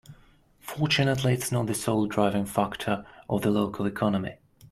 Fortunately its not the sole driving factor of the local economy.